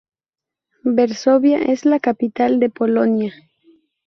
Varsovia es la capital de Polonia.